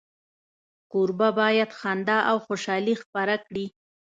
کوربه باید خندا او خوشالي خپره کړي.